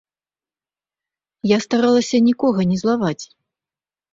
Я старалася нікога не злаваць.